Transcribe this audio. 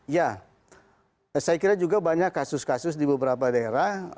ya saya kira juga banyak kasus kasus di beberapa daerah